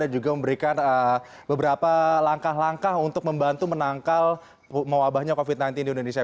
juga memberikan beberapa langkah langkah untuk membantu menangkal mewabahnya covid sembilan belas di indonesia